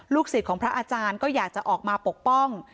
สิทธิ์ของพระอาจารย์ก็อยากจะออกมาปกป้อง